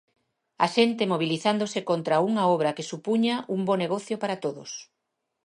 A xente mobilizándose contra unha obra que supuña un bo negocio para todos.